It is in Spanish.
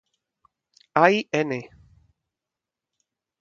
Hay "n"!